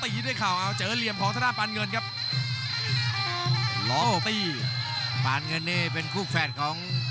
ตีด้วยเข่าเจอเหลี่ยมโฮมาธุระปานเงินครับ